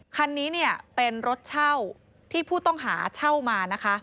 คันนี้เป็นรถเช่าที่ผู้ต้องหาเช่ามา